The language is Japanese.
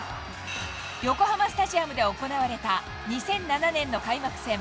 横浜スタジアムで行われた、２００７年の開幕戦。